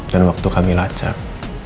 dan waktu kami lacak